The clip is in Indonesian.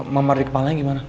mamar di kepalanya gimana